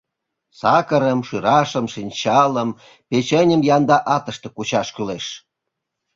Сакырым, шӱрашым, шинчалым, печеньым янда атыште кучаш кӱлеш.